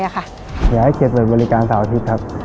อยากให้เกียรติเปิดบริการเสาร์อาทิตย์ครับ